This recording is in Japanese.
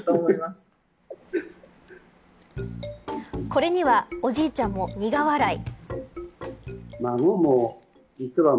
これにはおじいちゃんも苦笑い。